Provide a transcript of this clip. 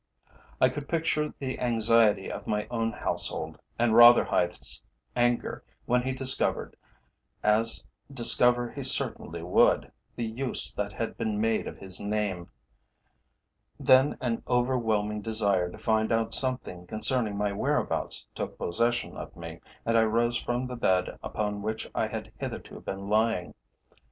I could picture the anxiety of my own household, and Rotherhithe's anger when he discovered, as discover he certainly would, the use that had been made of his name. Then an overwhelming desire to find out something concerning my whereabouts took possession of me, and I rose from the bed upon which I had hitherto been lying.